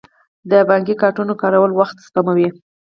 د بانکي کارتونو کارول وخت سپموي.